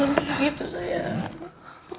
jangan begitu sayang